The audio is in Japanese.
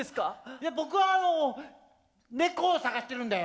いや僕はあのネコを捜してるんだよ。